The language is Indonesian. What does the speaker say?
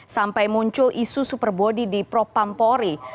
sampai muncul isu super body di prof pampori